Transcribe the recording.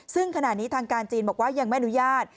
ซึ่งขณะนี้ทางการจีนบอกว่ายังไม่อนุญาต